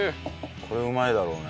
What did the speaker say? これうまいだろうね。